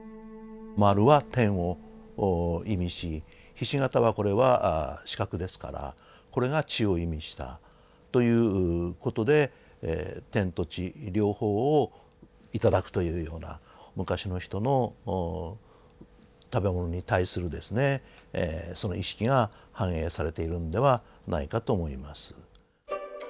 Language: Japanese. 丸は天を意味しひし形はこれは四角ですからこれが地を意味したということで天と地両方を頂くというような昔の人の食べ物に対する意識が反映されているのではないかと思います。